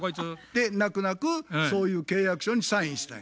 で泣く泣くそういう契約書にサインしたんや。